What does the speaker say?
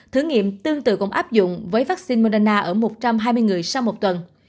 thử nghiệm tương tự cũng áp dụng với vaccine moderna ở một trăm hai mươi người sau một tuần